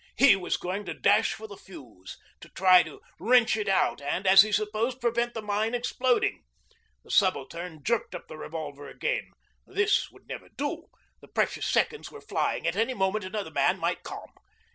He was going to dash for the fuse, to try to wrench it out and, as he supposed, prevent the mine exploding. The Subaltern jerked up the revolver again. This would never do; the precious seconds were flying; at any moment another man might come.